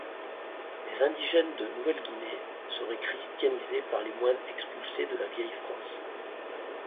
Les indigènes de Nouvelle-Guinée seraient christianisés par les moines expulsés de la vieille France.